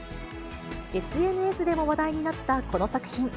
ＳＮＳでも話題になったこの作品。